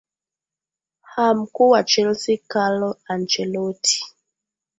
ha mkuu wa chelsea karlo ancheloti